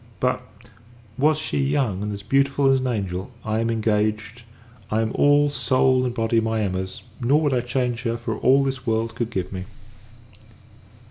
But, was she young, and as beautiful as an angel, I am engaged; I am all, soul and body, my Emmas: nor would I change her for all this world could give me.